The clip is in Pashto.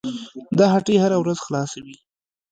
دا هټۍ هره ورځ خلاصه وي.